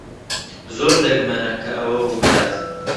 زۆر دەگمەنە کە ئەوە ڕوو بدات.